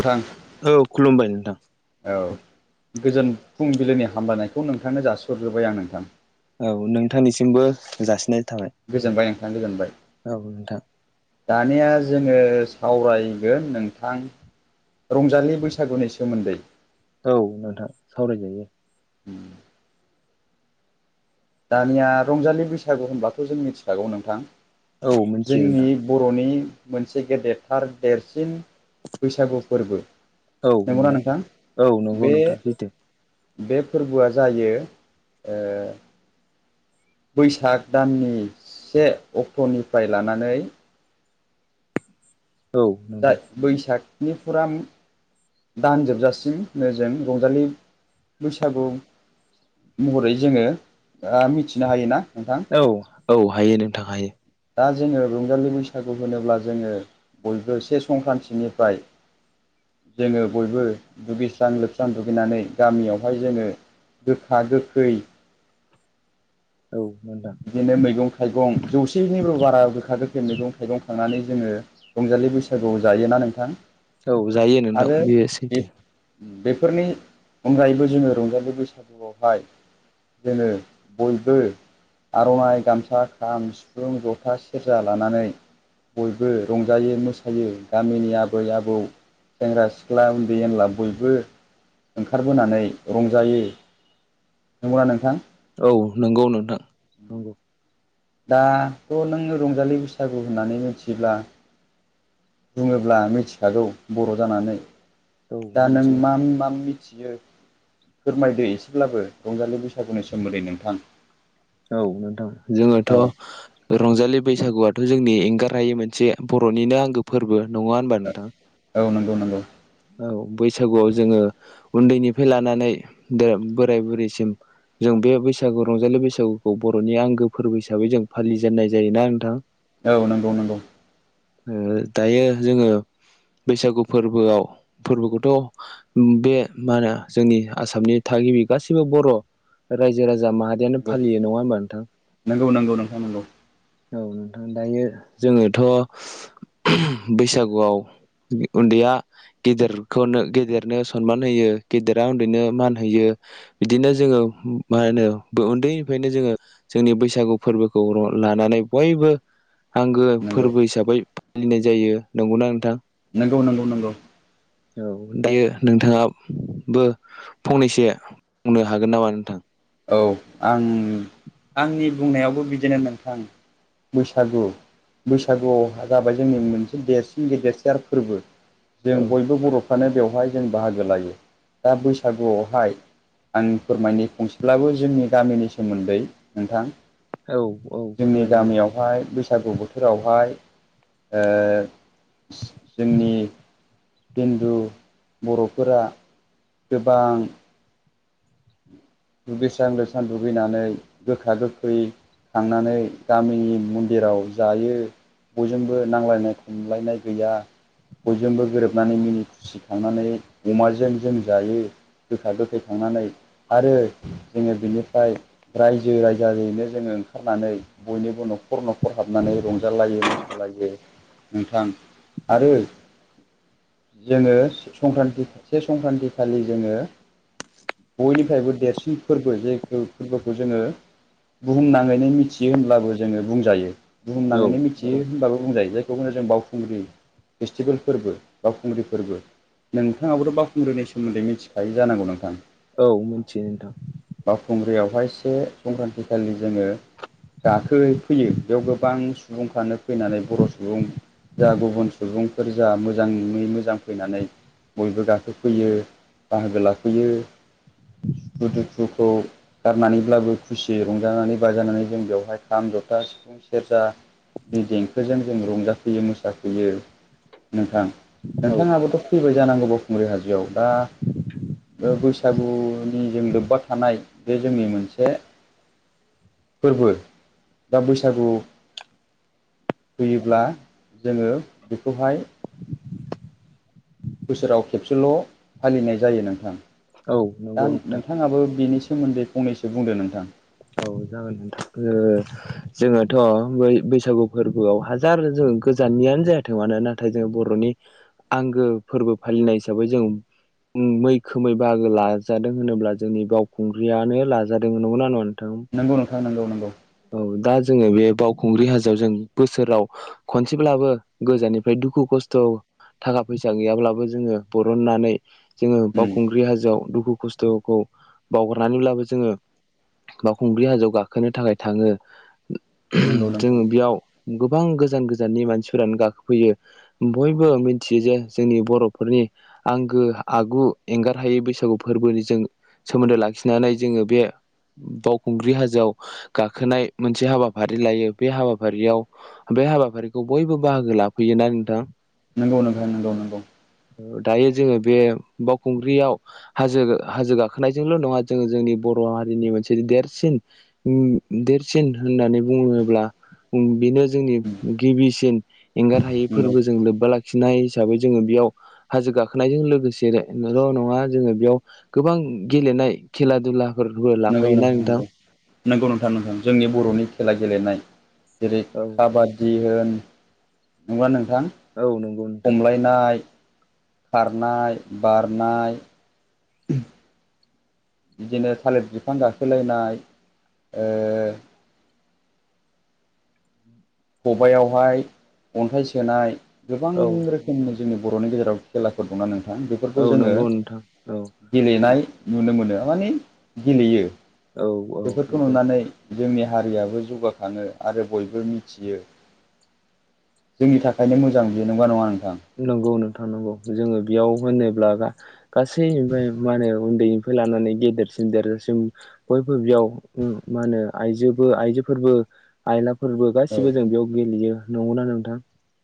नोंथां औ खुलुमबाय नोंथां औ । गोजोन फुंबिलिनि हामलानायखौ नोंथांनो जासिहरग्रोबाय आं नोंथां । औ नोंथांनिसिमबो जासिनाय थाबाय गोजोनबाय नोंथां गोजोनबाय औ नोंथां । दानिया जोङो सावरायगोन नोंथां । रंजालि बैसागुनि सोमोन्दै औ नोंथां सावरायजायो । उम दानिया रंजालि बैसागु होनब्लाथ' जों मिथिखागौ नोंथां औ । मिथियो नोंथां जोंनि बर'नि मोनसे गेदेरथार देरसिन बैसागु फोरबो औ नोंथां औ नंगौ बे नोंथां सैथो । बे फोरबोआ जायो ओ बैसाग दाननि से अक्ट'निफ्राय लानानै औ नोंथां [unintelligible] बैसागनि [unintelligible] दानजोबजासिम होनो जों रंजालि बैसागु महरै जोङो मिथिनो हायोना । औ-औ हायो नोंथां हायो । दा जोङो रंजालि बैसागु होनोब्ला जोङो बयबो से संक्रान्तिनिफ्राय जोङो बयबो दुगैस्रां लोबस्रां दुगैनानै गामियावहाय जोङो गोखा गोखै औ नोंथां बिदिनो मैगं थाइगं जौसेनिफ्राय बारा गोखा गोखै मैगं थाइगं खांनानै जोङो रंजालि बैसागुआव जायोना नोंथां । औ जायो नोंथां बे सैथो । बेफोरनि अनगायैबो जोङो रंजालि बैसागुआवहाय जोङो बयबो आर'नाइ गामसा खाम सिफुं जथा सेरजा लानानै बयबो रंजायो मोसायो गामिनि आबै आबौ सेंग्रा सिख्ला उन्दै एनला बयबो ओंखारबोनानै रंजायो। नंगौना नोंथां? औ नंगौ नोंथां नंगौ। दाथ नों रंजालि बैसागु होननानै मिथियोब्ला बुङोब्ला मिथिखागौ बर' जानानै औ दा नों मोनथियो मा मा मिथियो फोरमायदो एसेब्लाबो रंजालि बैसागुनि सोमोन्दै नोंथां। औ नोंथां जोङोथ औ रंजालि बैसागुआ थ' जोंनि एंगारायै मोनसे बर'निनो आंगो फोरबो नङा होनबा नोंथां। औ नंगौ नंगौ। औ बैसागुआव जोङो उन्दैनिफ्राय लानानै बोराय बुरैसिम जों बे बैसागु रंजालि बैसागुखौ बर'नि आंगो फोरबो हिसाबै जों फालिजेननाय जायो ना नोंथां। औ नंगौ नंगौ। ओ दायो जोङो बैसागु फोरबोआव फोरबोखौथ बे मा होनो जोंनि आसामनि थागिबि गाससिबो बर' रायजो राजा माहारियानो नंगौ फालियो नङा होमबा नोंथां? नंगौ नंगौ नोंथां नंगौ औ नोंथां दायो जोङोथ बैसागुआव उन्दैया गेदेरखौनो गेदेरनो सनमान होयो गेदेरा उन्दैनो मान होयो बिदिनो जोङो मा होनो उन्दैनिफ्रायनो जोङो जोंनि बैसागु फोरबोखौ लानानै बयबो आंगो नंगौ फोरबो हिसाबै फालिनाय जायो नंगौना नोंथां? नंगौ नंगौ नंगौ। औ दायो नोंथाङाबो फंनैसो बुंनो हागोन नामा नोंथां? औ आं आंनि बुंनायावबो बिदिनो नोंथां। बैसागु बैसागुआव जाबाय जोंनि मोनसे देरसिन गेदेरसार फोरबो। जों औ बयबो बर' फ्रानो बेवहाय जों बाहागो लायो दा बैसागुआवहाय आनि फोरमायनो फंसे ब्लाबो जोंनि गामिनि सोमोन्दै नोंथां। औ औ जोंनि फोरमायो गामियावहाय बैसागु बोथोरावहाय ओ जोंनि हिन्दु बर'फोरा गोबां दुगैस्रां लोबस्रां दुगैनानै गोखा गोखै थांनानै गामिनि मन्दिराव जायो। बयजोंबो नांलायनाय खमलायनाय गैया बयजोंबो गोरोबनानै मिनि खुसि खांनानै अमाजों जों जायो। गोखा गोखै खांनानै आरो जोङो बिनिफ्राय रायजो राजाजोंनो जोङो ओंखारनानै बयनिबो न'खर न'खर हाबनानै रंजालायो मोसालायो नोंथां आरो जोङो संक्रान्ति से संक्रान्ति खालि जोङो बयनिफ्रायबो देरसिन फोरबो जे फोरबोखौ जोङो बुहुमनाङैनो मिथियो होनब्लाबो जोङो बुंजायो औ बुहुमनाङैनो मिथियो नंगौ होनब्लााबबो बुंजायो बेखौनो जों बावखुंग्रि फेस्टिभेल फोरबो बावखुंग्रि फोरबो नोंथाङाबोथ बावखुंग्रिनि सोमोन्दै मिथिखायो जानांगौ नोंथां? औ नोंथां बाखुंग्रियाव बेहाय से संक्रान्ति खालि जोङो गाखो फैयो बेयाव गोबां सुबुंफ्रानो फैनानै बर' सुबुं जा गुबुन सुबुंफोर जा मोजाङै मोजां फैनानै बयबो गाखोफैयो बाहागो लाफैयो सुखु दुखुखौ गारनानैब्लाबो खुसियै रंजानानै बाजानानै जों बेवहाय खाम जथा सिफुं सेरजा नि देंखोजों जों रंजाफैयो मोसाफैयो नोंथां औ नोंथाङाबोथ' फैबाय जानांगौ बावखुंग्रि हाजोआव दा बे बैसागुनि नि जों लोब्बा थानाय बे जोंनि मोनसे फोरबो दा बैसागु होयोब्ला जोङो बेखौहाय बोसोराव खेबसेल फालिनाय जायो नोंथां औ दा नंगौ नोंथां नोंथाङाबो बिनि सोमोन्दै फंनैसो बुंदो नोंथां औ जागोनथां जोङोथ बैसागु फोरबोआव हाजार गोजाननियानो जायाथों मानो नाथाय जों बरनि आंगो फोरबो फालिनाय हिसाबै जों मैखोमै बाहागो लाजादों होनोब्ला जोंनि बावखुंग्रियानो लाजादों नंगौना नङा नोंथां नंगौ नोंथां नंगौ नंगौ औ दा जोङो बे बावखुंग्रि हाजोआव जों बोसोराव खनसेब्लाबो गोजाननिफ्राय दुखु खस्थ थाखा फैसा गैयाब्लाबो जोङो बरननानै जोङो बावखुंग्रि हाजोआव दुखु खस्थखौ बावगारनानैब्लाबो जोङो बावखुंग्रि हाजोआव गाखोनो थाखाय थाङो नंगौ जों नोंथां बेयाव गोबां गो जान गोजाननि मानसिफोरानो गाखोफैयो बयबो मिथियो जे जोंनि बरफोरनि आं गो आगु एंगार हायै बैसागु फोरबोनि जों सोमोन्दो लाखिनानै जोङो बे बावखुंग्रि हाजोआव गाखोनाय मोनसे हाबाफारि लायो बे हाबाफारियाव बे हाबाफारिखौ बयबो बाहागो लाफैयो नंगौ ना नोंथां नंगौ नोंथां नंगौ नंगौ दायो जोङो बे बावखुंग्रियाव हाजो हाजो गाखोनायजोंल नङा जोङो जोंनि बर' हारिनि मोनसे देरसिन उम देरसिन होननानै बुङोब्ला बेनो जोंनि उम गिबिसिन एंगार हायै फोरबो जों लोबबा लाखिनाय हिसाबै जोङो बेयाव हाजो गाखोनायजों लोगोसेल' नङा जोङो बेयाव गोबां गेलेनाय खेला दुलाफोर हो नंगौ नंगौ लाफायोना नोंथां नंगौ नंगौ नोंथा नंथां जोंनि बर'नि खेला गेलेनाय जेरै औ नोंथां काबादि होन नङा नोंथां औ नंगौ नोंथां खमलायनाय खारनाय बारनाय बिदिनो थालिर बिफां गाखोलायनाय ओ खबाइयावहाय अन्थाइ सोनाय गोबां औ रोखोमनि जोंनि बर'नि गेजेराव खेलाफोर दंना नोंथां औ बेफोरखौ जोङो नंगौ नोंथां औ गेलेनाय नुनो मोनो माने गेलेयो औ औ बेफोरखौ नंगौ नुनानै जोंनि हारियाबो जौगाखाङो आरो बयबो मि थियो जोंनि थाखायनो मोजां बे नंगौ ना नङा नोंथां नंगौ नों थां नंगौ जोङो बेयाव होनोब्ला गासै ओमफ्राय मा होनो उन्दैनिफ्राय लानानै गेदेर देरजासिम बयबो बेयाव मा होनो आइजोबो आइजोफोरबो आइ फोरबो औ गासिबो जों बेयाव गेलेयो नंगौना नोंथां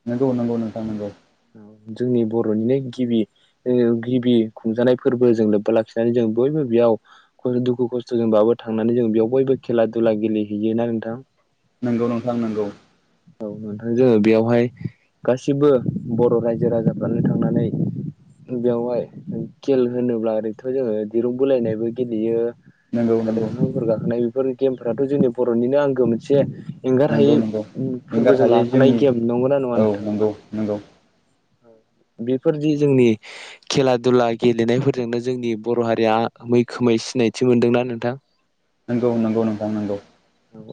नंगौ नंगौ नोंथां नोंगौ औ जोंनि बर'निनो गिबि गिबि खुंजानाय फोरबोजों लोब्बा लाखिनानै जों बयबो बेयाव दुखु खस्थजोंबाबो थांनानै जों बेयाव बयबो खेला दुला गेलेहैयोना नोंथां नोंगौ नोंथां नंगौ नोंथां जोङो बेयावहाय गासिबो बर रायजो राजाफ्रानो थांनानै बेवहाय खेल होनोब्ला ओरैथ जोङो दिरुं बोलायनायबो गेलेयो नंगौ थालिर नंगौ बिफांफोर गाखोनाय बेफोर गेमफोराथ जोंनि बरनिनो आंगो मोनसे एंगारहायै नंगौ नंगौ एंगार फोरबोजों हायै लाफानाय जोंनि गेम नंगौ नना नङा औ नोंथां नंगौ नंगौ बेफोरदि जोंनि खेला दुला गेलेनायफोरजोंनो जोंनि बर हारिया मैखोम सिनायथि मोनदोंना नोंथां नंगौ नंगौ नोंथां नंगौ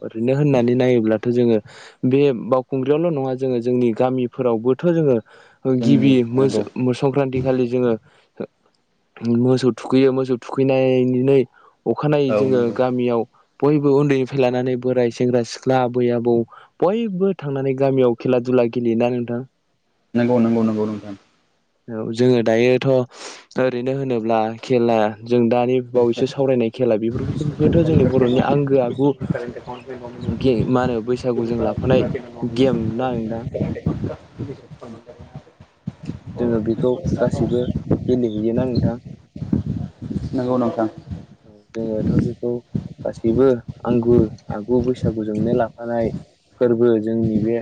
ओरैनो होननानै नायोब्ला थ' जोङो बे बावखुंग्रियावल' नङा जोङो जोंनि गामिफोरावबोथ' जोङो गिबि जोंनि मो नंगौ मो संक्रान्ति ओइदिखालि [unintelligible] जोङो मोसौ थुखैयो मोसौ थुखैनायनि अखानायै औ जोङो गामियाव बयबो उन्दैनिफ्राय लानानै बोराइ सेंग्रा सिख्ला आबै आबौ बयबो थांनानै गामियाव खेला दुला बा गेलेयोना नोंथा? नंगौ नंगौ नंगौ नोंथां औ जोङो दायोथ' ओरैनो होनोब्ला खेला जों दानि बावैसो सावरायनाय खेला बेफोरबोथ' जोंनि बर'नि आंगो आगु [unintelligible] मा होनो बैसागुजों लाफानाय गेम ना नदां जोङो बेखौ गासिबो गेलेहैयोना नोंथां? नंगौ नोंथां। औ जोङोथ' बेखौ गासैबो आंगो आगु बैसागुजोंनो लाफानाय फोरबो जोंनि बे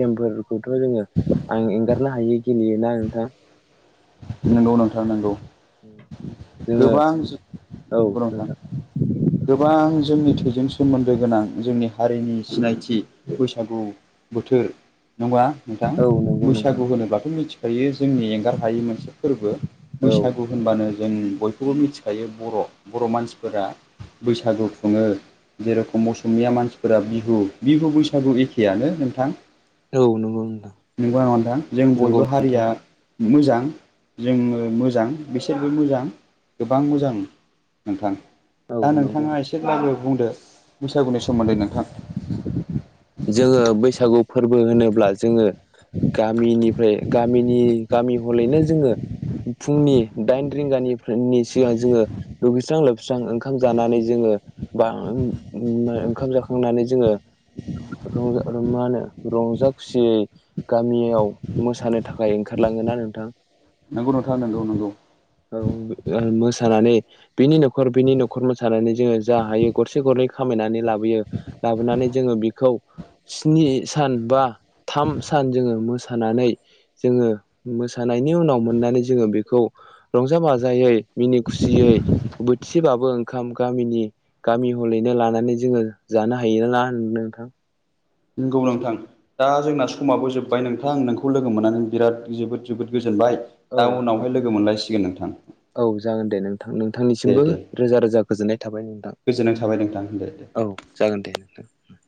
गेमफोरखौथ' जोङो आं एंगारनो हायो गेलेयोना नोंथां नोंगौ नोंथां नोंगौ जोङो नंगौ नोंथां गोबां जोंनि थैजों सोम मोन्दो गोनां जोंनि हारिनि सिनायथि बैसागु बोथोर नङा नोंथां औ नंगौ नोंथां बैसागु होनोब्लाथ' मिथिखायो जोंनि एंगार हायि मोनसे फोरबो औ बैसागु होनबानो जों बयखौबो मिथिखायो बर' बर' मानसिफोरा बैसागु खुङो जेरैखम असमिया मानसिफोरा बिहु बिहु बैसागु एखेआनो नोंथां औ नंगौ नोंथां नंगौ नोंथां जों नंगौ बयबो नोंथां हारिया नंगौ मोजां जोङो मोजां बिसोरबो मोजां गोबां मोजां नोंथां दा औ नंगौ नोंथाङा एसेब्लाबो बुंदो बैसागुनि सोमोन्दै नोंथां जोङो बैसागु फोरबो होनोब्ला जोङो गामिनिफ्राय गामिनि गामि हलैनो जोङो फुंनि दाइन रिंगानिनि सिगां जोङो दुगैस्रां लोबस्रां ओंखाम जानानै जोङो [unintelligible] बा ओंखाम जाखांनानै जोङो [unintelligible] मा होनो रंजा खुसियै गामियाव मोसानो थाखाय ओंखारला ङो ना नोंथां नोंगौ नोंथा नंगौ नंगौ औ मोसानानै बिनि न'खर बिनि न'खर मोसानानै जोङो जा हायो गरसे गरनै खामायनानै लाबोयो लाबोनानै जोङो बेखौ स्नि सान बा थाम सान जोङो मोसानानै जोङो मोसानायनि उनाव मोननानै जोङो बेखौ रंजा बाजायै मिनि खुसियै बोथिसेबाबो ओंखाम गामिनि गामि हलैनो लानानै जोङो जानो हायोना नोंथां नंगौ नोंथां दा जोंना समाबो जोब्बाय नोंथां नोंखौ लोगो मोननानै बिराद जोबोद जोबोद गो जोनबाय औ दा उनावहाय लोगो मोनलायसिगोन नोंथां औ जागोन दे नोंथां दे नोंथांनिसिमबो दे रोजा रोजा गोजोननाय थाबाय नोंथां गोजोननाय थाबाय नोंथां दे दे औ जागोन दे नोंथां